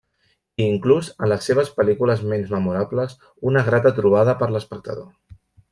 I inclús en les seves pel·lícules menys memorables, una grata trobada per l'espectador.